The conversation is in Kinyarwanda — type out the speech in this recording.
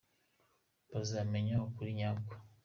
Bazamenya ukuri nyako